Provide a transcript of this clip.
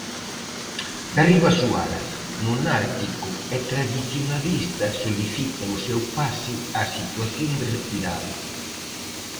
Darriba Suárez, monárquico e tradicionalista, solicita o seu pase á situación de retirado.